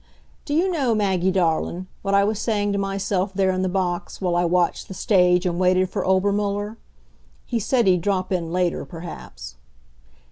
Do you know, Maggie darlin', what I was saying to myself there in the box, while I watched the stage and waited for Obermuller? He said he'd drop in later, perhaps.